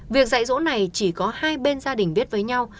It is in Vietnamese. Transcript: việc dạy dỗ này chỉ có hai bên gia đình biết với nhau